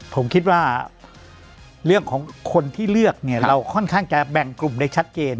ผมคิดว่าเรื่องของคนที่เลือกเนี่ยเราค่อนข้างจะแบ่งกลุ่มได้ชัดเจน